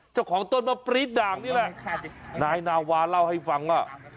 เจ้าของต้นมะปรี๊ดด่างนี่แหละนายนาวาเล่าให้ฟังว่า